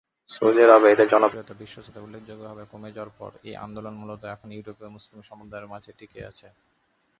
Saudi আরবে এদের জনপ্রিয়তা ও বিশ্বস্ততা উল্লেখযোগ্যভাবে কমে যাওয়ার পর, এ আন্দোলন মূলত এখন ইউরোপিয় মুসলিম সম্প্রদায়ের মাঝে টিকে আছে।